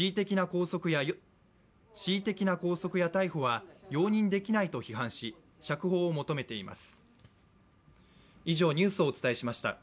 恣意的な拘束や逮捕は容認できないと批判し、釈放を求めています。